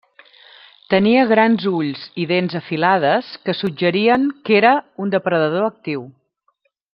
Tenia grans ulls i dents afilades que suggerien que era un depredador actiu.